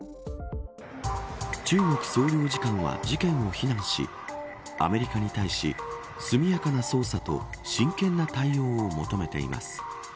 中国総領事館は事件を非難しアメリカに対し速やかな捜査と真剣な対応を求めています。